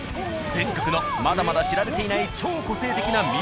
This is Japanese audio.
全国のまだまだ知られていない超個性的な道の駅。